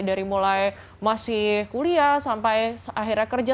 dari mulai masih kuliah sampai akhirnya kerja